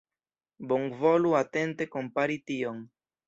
Bonvolu atente kompari tion.